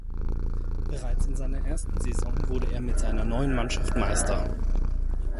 Bereits in seiner ersten Saison wurde er mit seiner neuen Mannschaft Meister.